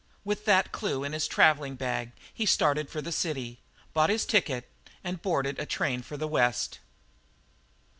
With that clue in his travelling bag, he started for the city, bought his ticket, and boarded a train for the West.